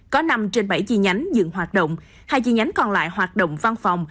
có năm trên bảy chi nhánh dựng hoạt động hai chi nhánh còn lại hoạt động văn phòng